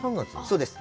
そうです。